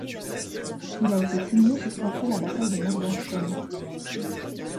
Il a été signé juste après la bataille de Morgarten.